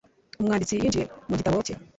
Umwanditsi yinjiye mu gitabo cye.